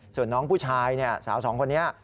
ส่วนน้องผู้ชายสาวสองคนนี้